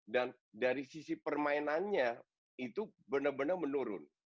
dan dari sisi permainannya itu benar benar menurun